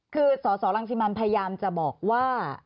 คือสสรังสิมันพยายามจะบอกว่า